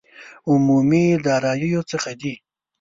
عمومي داراییو څخه دي.